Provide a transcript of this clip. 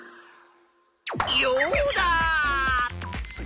ヨウダ！